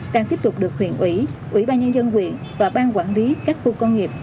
đang tiếp tục được huyện ủy ủy ban nhân dân huyện và bang quản lý các khu công nghiệp